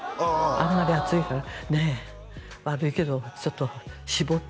あんまり熱いから「ねえ悪いけどちょっと絞って」